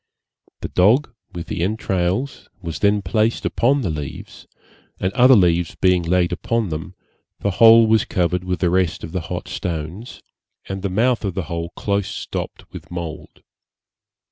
The dog, with the entrails, was then placed upon the leaves, and other leaves being laid upon them, the whole was covered with the rest of the hot stones, and the mouth of the hole close stopped with mould.